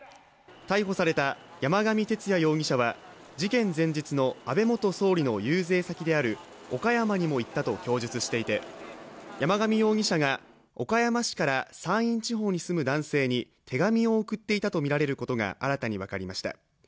逮捕された山上徹也容疑者は事件前日の安倍元総理の遊説先である岡山にも行ったと供述していて山上容疑者が岡山市から山陰地方に住む男性に手紙を送っていたとみられることが新たに分かりました。